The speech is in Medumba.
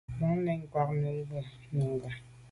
Bə̀k à' lɛ̌n kwāh nʉ́nʉ̄ cúp bú Nùngà.